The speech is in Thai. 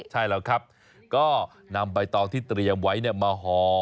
ใช่แล้วครับก็นำใบตองที่เตรียมไว้มาห่อ